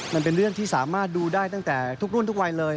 มันเป็นเรื่องที่สามารถดูได้ตั้งแต่ทุกรุ่นทุกวัยเลย